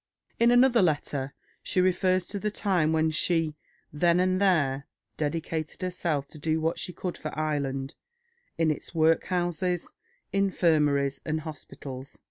In another letter she refers to the time when she "then and there" dedicated herself to do what she could for Ireland, in its workhouses, infirmaries, and hospitals.